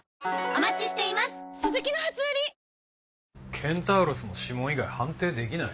ケンタウロスの指紋以外判定できない？